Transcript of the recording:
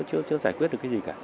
chưa giải quyết được cái gì cả